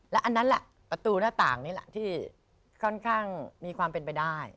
อันนั้นแหละประตูหน้าต่างนี่แหละที่ค่อนข้างมีความเป็นไปได้